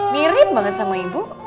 mirip banget sama ibu